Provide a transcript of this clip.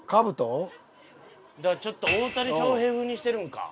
だからちょっと大谷翔平風にしてるんか。